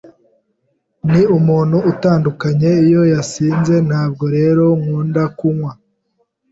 Ni umuntu utandukanye iyo yasinze, ntabwo rero nkunda kunywa.